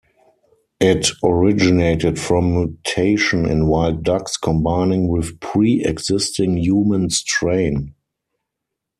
It originated from mutation in wild ducks combining with a pre-existing human strain.